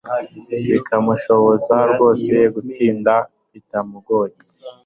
bikamushoboza rwose kugitsinda bitamugoye.